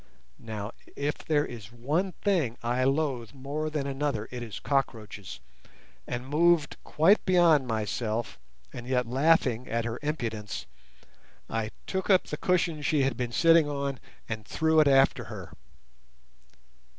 Now if there is one thing I loathe more than another it is cockroaches, and moved quite beyond myself, and yet laughing at her impudence, I took up the cushion she had been sitting on and threw it after her.